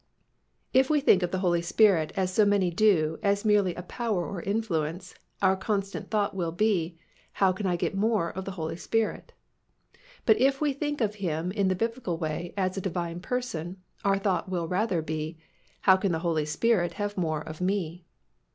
If we think of the Holy Spirit as so many do as merely a power or influence, our constant thought will be, "How can I get more of the Holy Spirit," but if we think of Him in the Biblical way as a Divine Person, our thought will rather be, "How can the Holy Spirit have more of me?"